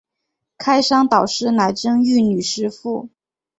开山导师乃曾玉女师傅。